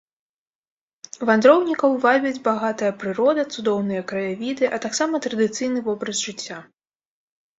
Вандроўнікаў вабяць багатая прырода, цудоўныя краявіды, а таксама традыцыйны вобраз жыцця.